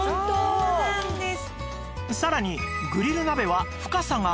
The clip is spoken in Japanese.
そうなんです。